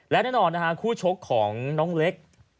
และดังนอนคู่ชกของน้องเล็ก